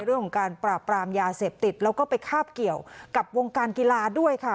เรื่องของการปราบปรามยาเสพติดแล้วก็ไปคาบเกี่ยวกับวงการกีฬาด้วยค่ะ